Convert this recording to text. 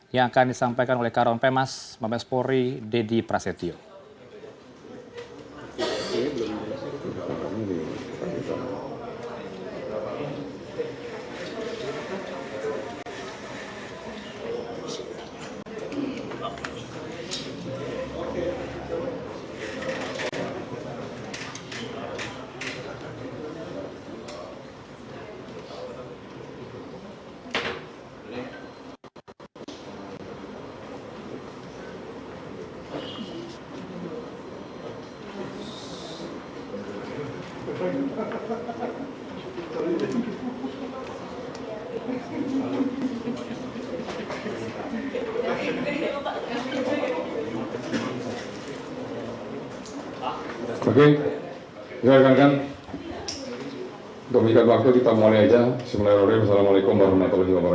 yang akan disampaikan oleh karun pemas mabespori dedy prasetyo